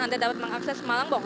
anda dapat mengakses malangbong